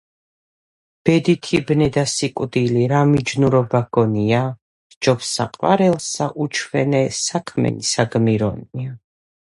ბედითი ბნედა სიკვდილი რა მიჯნურობაგგონია? სჯობს საყვარელსა უჩვენე საქმენი საგმირონია.